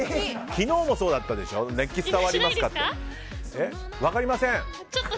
昨日もそうだったでしょ熱気伝わりますかって。